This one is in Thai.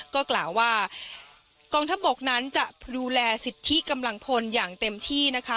ก็กล่าวว่ากองทัพบกนั้นจะดูแลสิทธิกำลังพลอย่างเต็มที่นะคะ